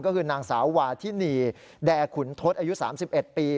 ก็คือนางสาววาทินีแด่ขุนทศอายุ๓๑ปี